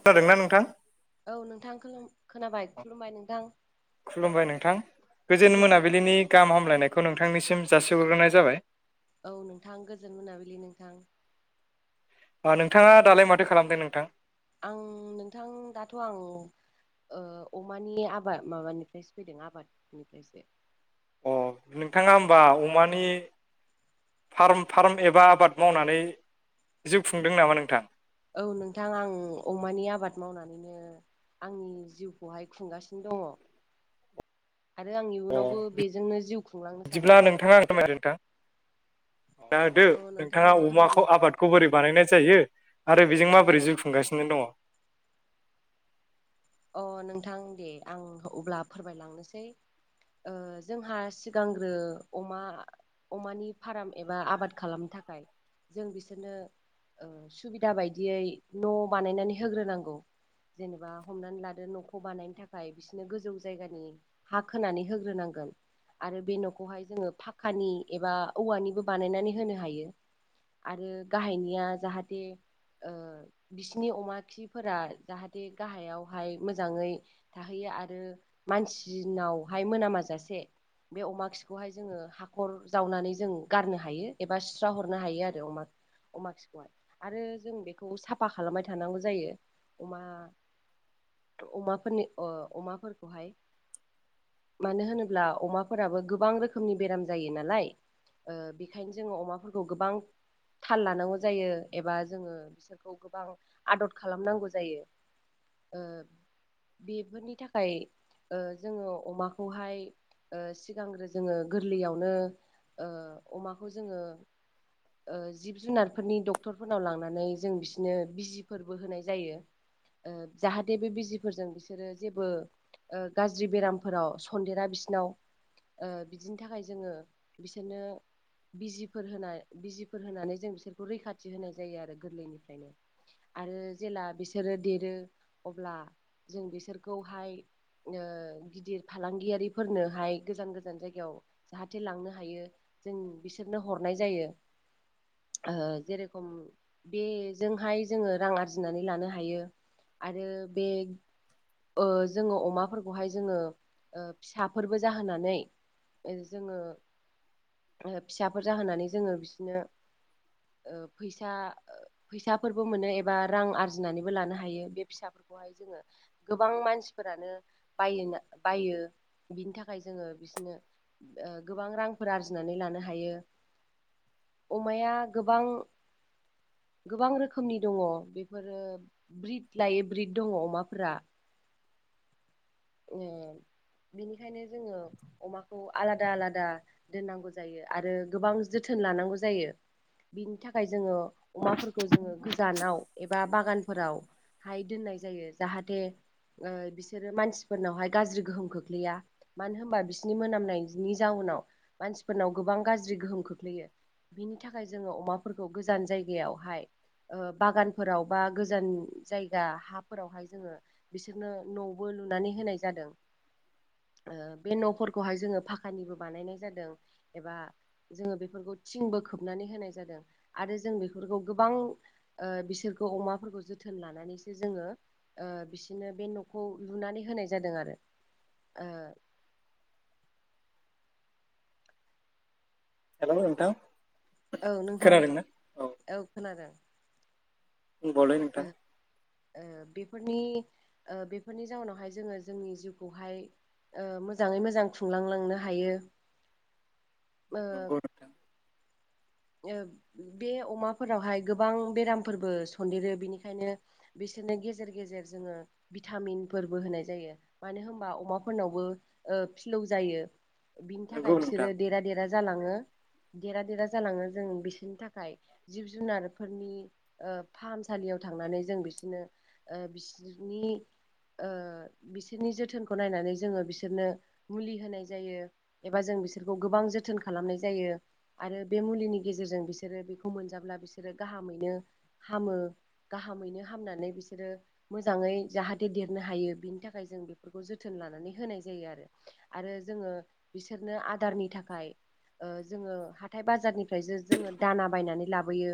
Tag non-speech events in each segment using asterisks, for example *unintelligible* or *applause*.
खोनादोंना नोंथां? औ नोंथां खोलोम खोनाबाय खुलुमबाय नोंथां। खुलुमबाय नोंथां गोजोन मोनाबिलिनि गाहाम हामलायनाय खौ नोंथांनिसिम जासिहरग्रोनाय जाबाय। औ नोंथां गोजोन मोनाबिलि नोंथां। मा नोंथाङा दालाय माथो खालामदों नोंथां? आं नोंथां दाथ आं ओ अमानि आबा माबानिफ्रायसो फैदों आबादनिफ्रायसो अ नोंथाङा होमबा अमानि फाराम फाराम एबा आबाद मावनानै जिउ खुंदों नामा नोंथां? औ नोंथां आं अमानि आबाद मावनानैनो आंनि जिउखौहाय खुंगासिनो दङ। *inaudible* आरो आं अ इयुनावबो बेजोंनो जिउ खुंलांनो बिदिब्ला सानदों नोंथाङा फोरमायदो नोंथां दा होदो औ नोंथां नोंथाङा फोरमायनो अमाखौ आबादखौ बोरै बानायनाय जायो आरो बेजों माबोरै जिउ खुंगासिनो दङ। अ नोंथां दे आं अब्ला फोरमायलांनोसै ओ जोंहा सिगांग्रो अमा अमानि फाराम एबा आबाद खालामनो थाखाय जों बिसोरनो ओ सुबिदा बायदियै न बानायनानै होग्रोनांगौ जेनेबा हमनानै लादो नखौ बानायनो थाखाय बिसोनो गोजौ जायगानि हा खोनानै होग्रोनांगोन आरो बे नखौहाय जोङो फाखानि एबा औवानिबो बानायनानै होनो हायो। आरो गाहायनिया जाहाथे ओ बिसिनि अमा खिफोरा जाहाथे गाहायाव हाय मोजाङै थाहैयो आरो मानसिनावहाय मोनामा जासे बे अमा खिखौहाय जोङो हाखर जावनानै जों गारनो हायो एबा सुस्रा हरनो हायो आरो अमा अमा खिखौ आरो जों बेखौ साफा खालामबाय थानांगौ जायो अमा अमाफोरनि ओ अमाफोरखौहाय मानो होनोब्ला अमाफोराबो गोबां रोखोमनि बेराम जायो नालाय ओ बेखायनो जोङो अमाफोरखौ गोबां थाल लानांगौ जायो एबा जोङो बिसोरखौ गोबां आदद खालामनांगौ जायो। ओ *inaudible* बेफोरनि थाखाय ओ जोङो अमाखौहाय ओ सिगांग्रो जोङो गोरलैयावनो ओ अमाखौ जोङो ओ जिब जुनारफोरनि डक्टरफोरनाव लांनानै जों बिसिनो बिजिफोरबो होनाय जायो। ओ जाहाथे बे बिजिफोरजों बिसोरो जेबो ओ गाज्रि बेरामफोराव सन्देरा बिसिनाव ओ बिदिनि थाखाय जोङो बिसोरनो बिजिफोर होनाय बिजिफोर होनानै जों बिसोरखौ रैखाथि होनाय जायो आरो गोरलैनिफ्रायनो आरो जेला बिसोरो देरो अब्ला जों बिसोरखौहाय ओ गिदिर फालांगियारिफोरनोहाय गोजान गोजान जायगायाव जाहाथे लांनो हायो जों बिसोरनो हरनाय जायो। ओ जेरेखम बेजोंहाय जोङो रां आरजिनानै लानो हायो। आरो बे ओ जोङो अमाफोरखौहाय जोङो ओ फिसाफोरबो जाहोनानै जोङो ओ फिसाफोर जाहोनानै जोङो बिसिनो ओ फैसा फैसाफोरबो मोनो एबा रां आरजिनानैबो लानो हायो बे फिसाफोरखौहाय जोङो गोबां मानसिफोरानो बायना बायो। बिनि थाखाय जोङो बिसिनो ओ गोबां रांफोर आरजिनानै लानो हायो। अमाया गोबां गोबां रोखोमनि दङ बेफोरो ब्रिद लायो ब्रिद दङ अमाफोरा ए बेनिखायनो जोङो अमाखौ आलादा आलादा दोननांगौ जायो आरो गोबां जोथोन लानांगौ जायो बिनि थाखाय जोङो अमाफोरखौ जोङो गोजानाव एबा बागानफोराव हाय दोननाय जायो जाहाथे ओ बिसोरो मानसि फोरनावहाय गाज्रि गोहोम खोख्लैया मानो होनोमबा बिसिरनि मोनामनायनि जाउनाव मानसिफोरनाव गोबां गोबां गाज्रि गोहोम खोख्लैयो बिनि थाखाय जोङो अमाफोरखौ गोजान जायगायावहाय ओ बागानफोराव बा गोजान जायगा हाफोरावहाय जोङो बिसोरनो न'बो लु नानै होनाय जादों ओ बे न'फोरखौहाय जोङो फाखानिबो बानायनाय जादों एबा जोङो बेफोरखौ थिंबो खोबनानै होनाय जादों आरो जों बेफोरखौ गोबां ओ बिसोर अमा फोरखौ जोथोन लानानैसो जोङो ओ बिसोरनो बे न'खौ लुनानै होनाय जादों आरो ओ हेल नोंथां औ नोंथां औ खोनादों बुंबावलाय ओ नोंथां ओ बिब फोरनि ओ बेफोरनि जाउनावहाय जोङो जोंनि जिउखौहाय ओ मोजाङै मोजां खुंलांलांनो हायो *inaudible* ओ नंगौ नोंथां ओ बे अमाफोरावहाय गोबां बेरामफोरबो सन्देरो बिनिखायनो बि सोरनो गेजेर गेजेर जोङो भिटामिनफोरबो होनाय जायो मानो होनबा अमाफोरनावबो ओ ओ फिलौ जायो बिनि नंगौ थाखाय नोंथां बिसोरो देरा देरा जालाङो देरा देरा जालाङो जों बिसिनि थाखाय जिब जुनारफोरनि ओ फाहामसालियाव थांनानै जों बिसनो ओ बिसोरनि ओ बिसोरनि जोथोनखौ नायनानै जोङो बिसोरनो मुलि होनाय जायो एबा जों बिसोरखौ गोबां जोथोन खालामनाय जायो आरो बे मुलिनि गेजेरजों बिसोरो बेखौ मोनजाब्ला बिसोरो गाहामैनो हामो गाहामैनो हामनानै बिसोरो मोजाङै जाहाथे देरनो हायो बिनि थाखाय जों बेफोरखौ जोथोन लानानै होनाय जा यो आरो आरो जोङो बिसोरनो आदारनि थाखाय जोङो हाथाय बाजारनिफ्रायसो जोङो दाना बायनानै लाबोयो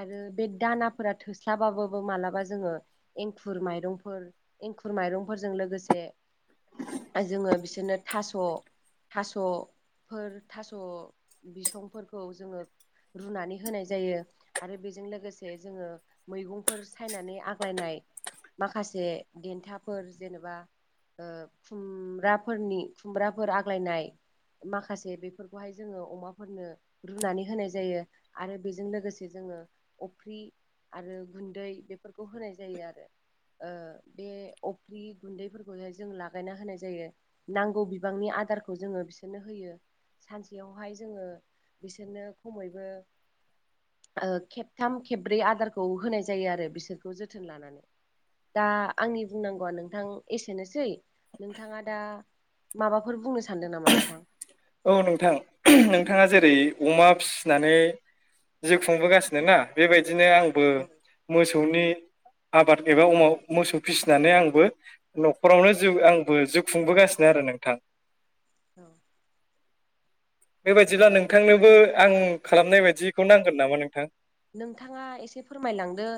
आरो बे दानाफ्रा थोस्लाबाबाबो मालाबा जोङो एंखुर माइरंफोर एंखुर माइरंफोरजों लोगोसे जोङो बिसोरनो थास' थास'फोर थास' बिसंफोरखौ जोङो रुनानै होनाय जायो आरो बेजों लोगोसे जोङो मैगंफोर सायनानै आग्लायनाय माखासे देन्थाफोर जेनेबा ओ खुमब्राफोरनि खुमब्राफोर आग्लायनाय माखासे बेफोरखौहाय जोङो अमाफोरनो रुनानै होनाय जायो आरो बेजों लोगोसे जोङो अफ्रि आरो गुन्दै बेफोरखौ होनाय जायो आरो ओ बे अफ्रि गुन्दैफोरखौनो जों लागायना होनाय जायो नांगौ बिबांनि आ दारखौ जोङो बिसोरनो होयो सानसेयावहाय जोङो बिसोरनो खमैबो ओ खेबथाम खेबब्रै आदारखौ होनाय जायो आरो बिसोरखौ जोथोन लानानै दा आंनि बुंनांगौआ नोंथां एसेनोसै नोंथाङा दा माबाफोर बुंनो सानदों नामा नोंथां? औ नोंथां, नोंथाङा जेरै अमा फिसिनानै जिउ खुंबोगासिनो ना, बेबायदिनो आंबो मोसौनि आबाद एबा अमाव मोसौ फिसिनानै आंबो न'खरावनोउ जिउ आंबो जिउ खुंबोगासिनो आरो नोंथां औ बेबायाददिब्ला नोंथांनोबो आं खालामनाय बायदिखौ नांगोन नामा नोंथां? नोंथाङा एसे फोरमायलांदो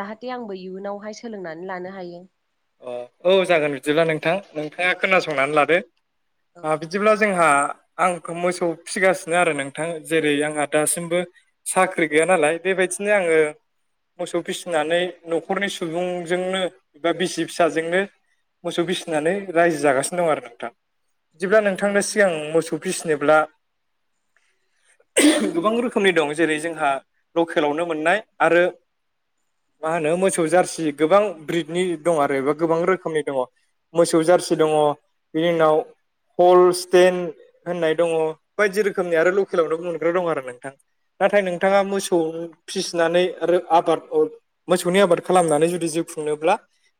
जाहाथे आंबो इयुनावहाय सोलोंनानै लानो हायो। अ औ जागोन बिदिब्ला नोंथां नोंथाङा खोनासंनानै लादो। औ आ बिदिब्ला जोंहा आंखौ मोसौ फिसिगासिनो आरो नोंथां जेरै आंहा दासिमबो साख्रि गैया नालाय बे बेबायदिनो आंङो मोसौ फिसिनानै न'खरनि सुबुंजोंनो एबा बिसि फिसाजोंनो मोसौ औ फिसिनानै रायजो जागासिनो दं आरो नोंथां। बिदिब्ला औ नोंथांनो सिगां मोसौ फिसिनोब्ला गोबां रोखोमनि दं जेरै जोंहा लकेलावनो मोननाय आरो मा होनो मोसौ जारसि गोबां ब्रिडनि दङ आरोबा गोबां रोखोमनि दंङ मोसौ जारसि दंङ बिनि उनाव हल स्टेेन होननाय दंङ बायदि रोखोमनि आरो लकेलावनो मोनग्रा दं आरो नोंथां। नाथाय औ नोंथाङा मोसौ फिसिनानै आरो आबाद मोसौनि आबाद खालामनानै जुदि जिउ खुंङनोब्ला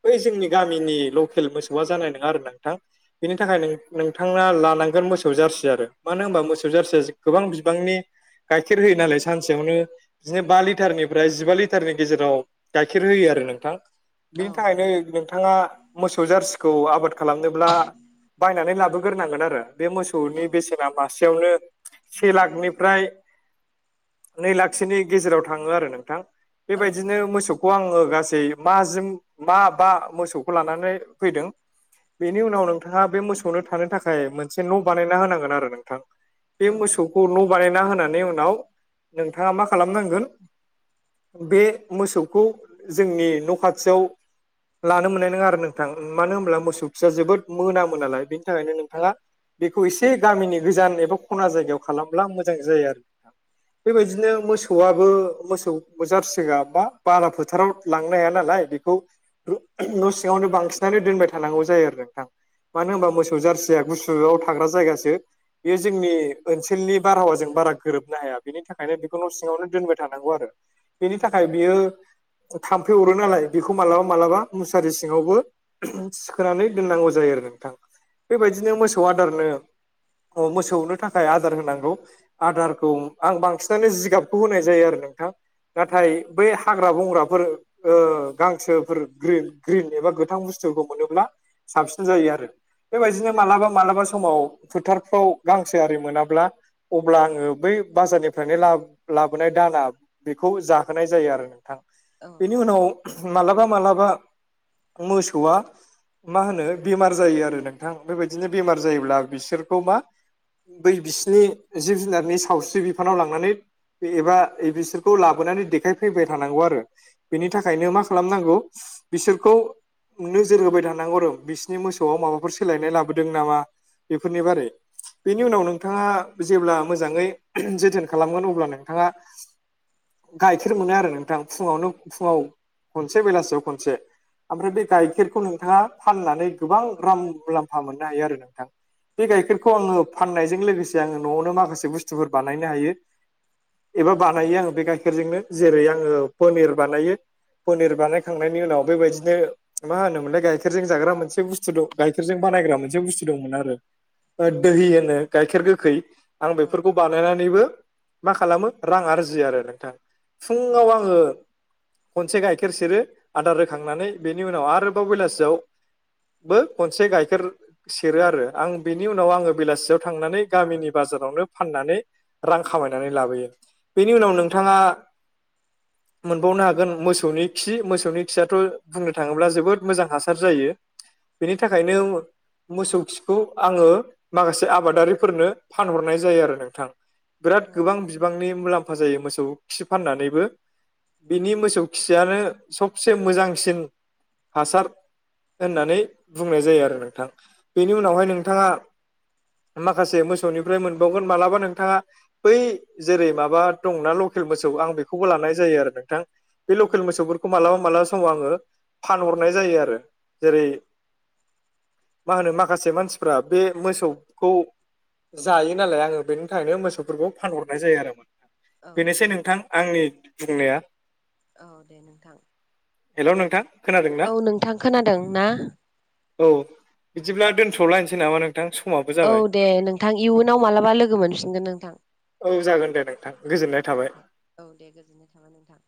बै जोंनि गामिनि लकेल मोसौआ जानाय नंङा आरो नोंथां बेनि थाखाय नों नोंथाङा लानांगोन मोसौ जारसि आरो मानो होनोमबा मोसौ जारसिया गोबां बिबांनि गाइखेर होयो नालाय सानसेयावनो बिदिनो बा लिटारनिफ्राय जिबा लिटारनि गेजेराव गाइखेर होयो आरो नोंथां औ बिनि थाखायनो नोंथाङा मोसौ जारसिखौ आबाद खालामनो ब्ला बायनानै लाबोग्रोनांगोन आरो बे औ मोसौनि बेसेना मासे खायावनो से लाखनिफ्राय नै लाखसोनि गेजेराव थांङो आरो नोंथां। औ बेबायदिनो मोसौखौ आंङो गासै माजोम मा बा मोसौखौ लानानै फैदों बेनि उनाव नोंथाङा बे मोसौनो थानो थाखाय मोनसे न बानायना होनांगोन आरो नोंथां। बे औ मोसौखौ न‌ बानायना होननि उनाव नोंथाङा मा खालामनांगोन बे मोसौखौ जोंनि न खाथियाव लानो मोननाय नंङा आरो नोंथां मानो होनब्ला मोसौ खिया जोबोद मोनामो नालाय बे बि थाखायनो औ नोंथाङा बेखौ एसे गामिनि गोजान एबा खना जायगायाव खालामब्ला मोजां जायो आरो नोंथा औ बेबायदिनो मोसौआ बो मोसौ जारसिङा बा बारा फोथाराव लांनो हाया नालाय बेखौ न सिङावनो बांसिनानो दोनबाय थानांगौ जायो आरो नोंथां मानो होनबा मोसौ जारसिया गुसु फुंङाव थांग्रा जायगासो बेयो जोंनि ओनसोलनि बारहावाजों बारा गोरोबनो हाया बेनि थाखायनो बेखौ न सिङावनो दोनबाय थानांगौ आरो। बेनि थाखाय बियो थाम्फै अरो नालाय बेखौ मालाबा मालाबा मुसारि सिंङावबो सखोनानै दोननांगौ जायो आरो नोंथां। बेबायदिनो मोसौआदारनो अ मोसौनो थाखाय आदार होनांगौ आदारखौ आं बांसिनानो जिगाबखौ होनाय जायो आरो नोंथां। नाथाय बै हाग्रा बंग्राफोर ओ गांसोफोर गन ग्रिन एबा गोथां बुस्थुखौ मोनोब्ला साबसिन जायो आरो। बेबायदिनो मालाबा मालाबा समाव फोथारफ्राव गांसो आरि मोनाब्ला अब्ला आंङो बै बाजारनिफ्रायनो लाबो लाबोनाय दाना बेखौ जाहोनाय जायो आरो नोंथां। औ बेनि उनाव मालाबा मालाबा मोसौआ मा होनो बेमार जायो आरो नोंथां बेबायदिनो बेमार जायोब्ला बिसोरखौ मा बै बिसिनि जिब जुनारनि सावस्रि बिफानाव लांनानै एबा बिसोरखौ लाबोनानै देखायफैबाय थानांगौ आरो बेनि थाखाय थाखायनो मा खालामनांगौ बिसोरखौ नोजोर होबाय थानांगौ र बिसिनि मोसौआव माबाफोर सोलायनाय लाबोदों नामा बेफोरनि बारै बेनि उनाव नोंथांङा जेब्ला मोजांङै जोथोन खालामगोन अब्ला नोंथांङा गाइखेर मोनो आरो नोंथां फुंङावनो फुङाव खनसे बेलासियाव खनसे ओमफ्राय बे गाइखेरखौ नोंथांङा फाननानै गोबां रां मुलाम्फा मोननो हायो आरो नोंथां बे गाइखेरखौ आंङो फाननाय जों लोगोसे आं न आवनो माखासे बुसथुफोर बानायनो हायो एबा बानायो आंङो बे गाइखेरजोंनो जेरै आंङो पनिर बानायो पनिर बानायखांनायनि उनाव बेबायदिनो मा होनोमोनलाय गाइखेरजों जाग्रा मोनसे बुस्थु दं गाइखेरजों बानाय ग्रा मोनसे बुस्थु दंमोन आरो ओ दोहि होनो गाइखेर गोखै आं बेफोरखौ बानायनानैबो मा खालामो रां आरजियो आरो नोंथां। फुङाव आंङो खनसे गाय खेर सेरो आदार होखांनानै। बेनि उनाव आरोबाव बेलासियाव बो खनसे गाइखेर सेरो आरो आं बिनि उनाव आंङो बेलासियाव थांनानै गामिनि बा जारावनो फाननानै रां खामायनानै लाबोयो। बेनि उनाव नोंथाङा मोनबावनो हागोन मोसौनि खि मोसौनि खियाथ' बुंनो थांङोब्ला जोबोर मोजां हासार जायो। बेनि थाखायनो मोसौ खिखौ आंङो माखासे आबादारिफोरनो फानहरनाय जायो आरो नोंथां। बिराद गोबां बिबांनि मुलाम फा जायो मोसौ खि फाननानैबो। बिनि मोसौ खियानो सबसे मोजांसिन हासार होननानै बुंनाय जायो आरो नोंथां। बेनि औ उनावहाय नोंथाङा माखासे मोसौनिफ्राय मोनबावगोन मालाबा नोंथाङा बै जेरै माबा दं ना लकेल मोसौ *unintelligible* आं बेखौबो लानाय जायो आरो नोंथां। बे लेकेल मोसौफोर मालाबा मालाबा समाव आंङो फानहरनाय जायो आरो जेरै मा होनो माखासे मानसिफ्रा बे मोसौखौ जायो नालाय आङो बेनि थाखायनो मोसौफोरखौ फानहरनाय जायो आरोमोन। औ बेनोसै नोंथां आंनि बुंनाया। औ दे नोंथां। हेल' नोंथां खोनादोंना औ नोंथां खोनादों ना? औ बिदिब्ला दोनथ'लायसै नामा नों औ दे नोंथां इयुनाव मालाबा लोगो मोनफिनगोन नोंथां। औ जागोन दे नोंथां। गोजोननाय औ थाबाय। दे औ दे गोजोननाय थाबाय नोंथां।